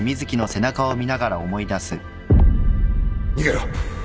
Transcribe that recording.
逃げろ！